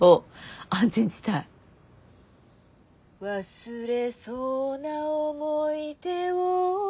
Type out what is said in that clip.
「忘れそうな想い出を」